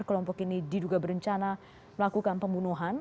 kelompok ini diduga berencana melakukan pembunuhan